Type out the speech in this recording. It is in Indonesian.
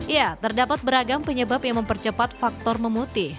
ya terdapat beragam penyebab yang mempercepat faktor memutih